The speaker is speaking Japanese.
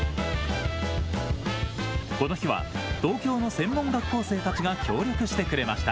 この日は東京の専門学校生たちが協力してくれました。